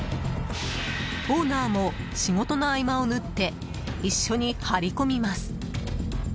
オーナーも仕事の合間を縫って一緒に張り込みます。